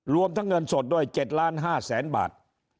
รวมทั้งเงินสดด้วย๗ล้าน๕แสนบาท